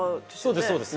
そうです。